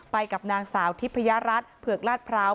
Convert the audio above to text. ไปกับนางสาวทิพยรัฐเผือกลาดพร้าว